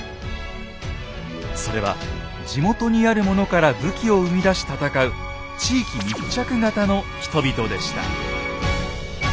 それは地元にあるものから武器を生み出し戦う地域密着型の人々でした。